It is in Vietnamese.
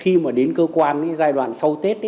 khi mà đến cơ quan giai đoạn sau tết